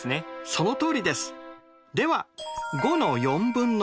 そのとおりです。